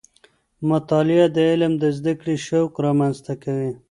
مطالعه د علم د زده کړې شوق رامنځته کوي.